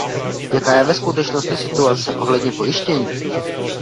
Jaká je ve skutečnosti situace ohledně pojištění?